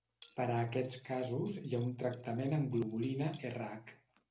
Per a aquests casos hi ha un tractament amb globulina Rh.